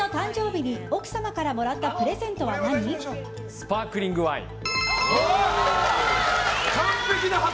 スパークリングワイン。